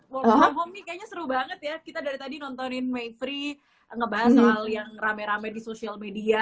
work from home nih kayaknya seru banget ya kita dari tadi nontonin mayfree ngebahas soal yang rame rame di sosial media